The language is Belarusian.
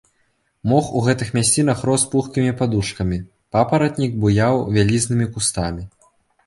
Мох у гэтых мясцінах рос пухкімі падушкамі, папаратнік буяў вялізнымі кустамі.